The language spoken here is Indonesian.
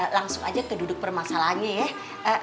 langsung aja ke duduk permasalahannya ya